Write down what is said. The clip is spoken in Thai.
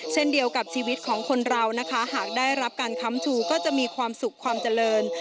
เช่นเดียวกับชีวิตของคนเรานะคะหากได้รับการค้ำชูก็จะมีความสุขความเจริญ